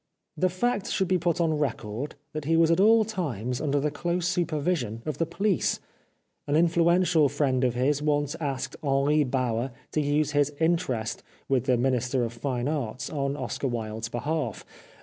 The fact should be put on record that he was at all times under the close supervision of the police. An influential friend of his once asked Henri Bauer to use his interest with the Minister of Fine Arts on Oscar Wilde's behalf.